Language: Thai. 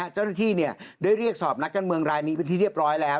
เจ้าหน้าที่ได้เรียกสอบนักการเมืองรายนี้เป็นที่เรียบร้อยแล้ว